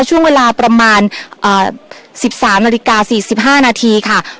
ช่วงเวลาประมาณเอ่อสิบสามนาฬิกาสี่สิบห้านาทีค่ะ